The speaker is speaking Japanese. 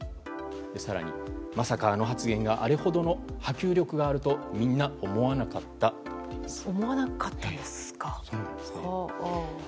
更に、まさかあの発言があれほどの波及力があると思わなかったんですか。